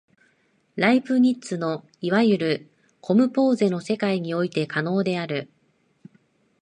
ライプニッツのいわゆるコムポーゼの世界において可能である。